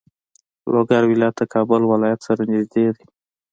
لوګر ولایت د کابل ولایت سره نږدې دی.